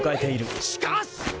しかし！